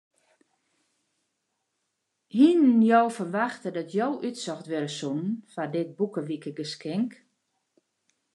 Hiene je ferwachte dat jo útsocht wurde soene foar dit boekewikegeskink?